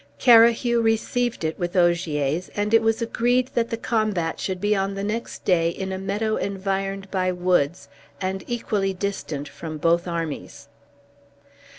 Carahue received it with Ogier's, and it was agreed that the combat should be on the next day in a meadow environed by woods and equally distant from both armies.